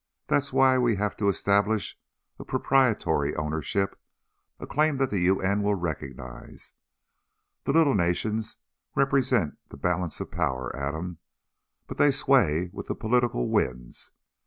That's why we have to establish a proprietory ownership, a claim that the U.N. will recognize. The little nations represent the balance of power, Adam. But they sway with the political winds.